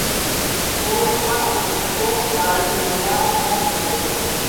Billy Connolly guest-starred in one episode.